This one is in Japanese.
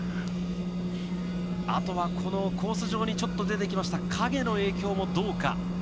あとはコース上にちょっと出てました影の影響も、どうか。